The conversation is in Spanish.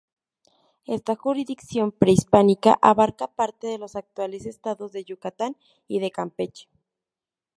Esta jurisdicción prehispánica abarcaba parte de los actuales estados de Yucatán y de Campeche.